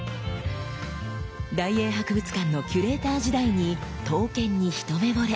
大英博物館のキュレーター時代に刀剣に一目ぼれ。